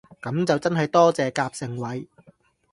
噉就真係多謝夾盛惠